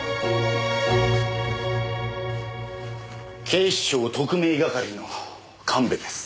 警視庁特命係の神戸です。